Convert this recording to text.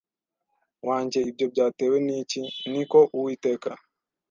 wanjye Ibyo byatewe n iki Ni ko Uwiteka